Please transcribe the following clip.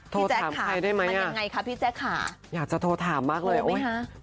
พี่แจ๊กขามันยังไงคะพี่แจ๊กขาอยากจะโทรถามมากเลยโทรไหมคะ